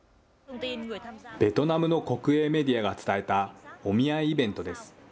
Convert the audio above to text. ベトナムの国営メディアが伝えたお見合いイベントです。